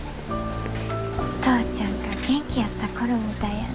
お父ちゃんが元気やった頃みたいやな。